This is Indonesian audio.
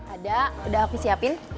ada udah aku siapin